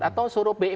atau suruh bepa